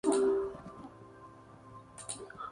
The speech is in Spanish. Existe una formación de acebuchal-palmeral en la cabecera.